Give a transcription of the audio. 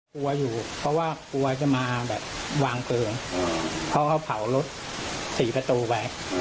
กลัวอยู่เพราะว่ากลัวจะมาแบบวางเพลิงเพราะเขาเผารถสี่ประตูไป